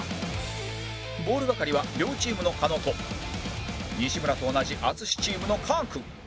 ボール係は亮チームの狩野と西村と同じ淳チームのかーくん